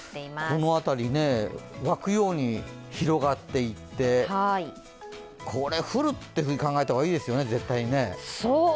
この辺り、湧くように広がっていって、これ降るっていうふうに考えた方がいいですね、絶対にね。